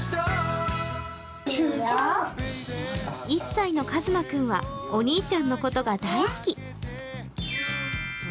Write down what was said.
１歳のかずま君はお兄ちゃんのことが大好き。